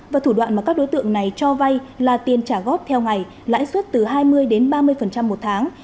và thủ đoạn mà các đối tượng này cho vay là tiền trả góp theo ngày lãi suất từ hai mươi đến ba mươi một tháng